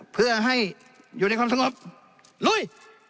เพื่อให้อยู่ในความสงบลุย